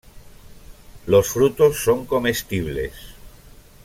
Los frutos son comestibles.